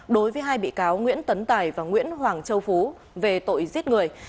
đối với hai bị cáo nguyễn tấn tài và nguyễn hoàng châu phú về tội giết người